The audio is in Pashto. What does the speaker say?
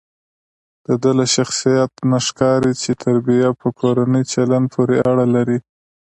دده له شخصیت نه ښکاري چې تربیه په کورني چلند پورې اړه لري.